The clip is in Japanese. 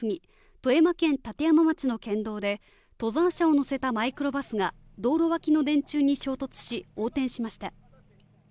富山県立山町の県道で登山者を乗せたマイクロバスが道路脇の電柱に衝突し横転しました